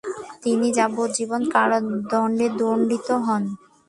তিনি যাবজ্জীবন কারাদন্ডে দণ্ডিত হন।